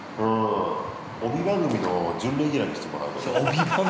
帯番組の準レギュラーにしてもらうこと。